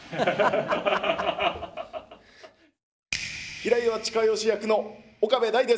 平岩親吉役の岡部大です！